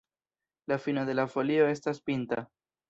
La fino de la folio estas pinta.